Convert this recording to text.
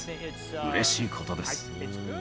うれしいことです。